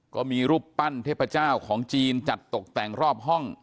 ก็มีรูปปั้นเทพเจ้าของจีนจัดตกแต่งรอบห้อง